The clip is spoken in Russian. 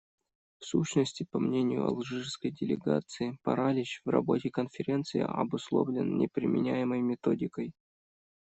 В сущности, по мнению алжирской делегации, паралич в работе Конференции обусловлен не применяемой методикой.